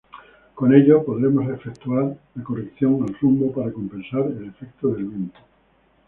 Con ello podremos efectuar la corrección al rumbo para compensar el efecto del viento.